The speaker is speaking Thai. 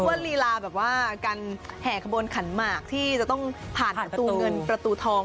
ว่าลีลาแบบว่าการแห่ขบวนขันหมากที่จะต้องผ่านประตูเงินประตูทอง